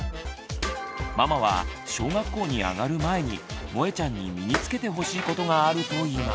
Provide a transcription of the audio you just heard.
ママは小学校に上がる前にもえちゃんに身につけてほしいことがあるといいます。